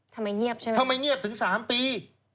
ทำไมเงียบใช่ไหมทำไมเงียบถึง๓ปี